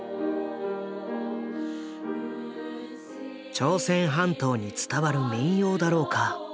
朝鮮半島に伝わる民謡だろうか？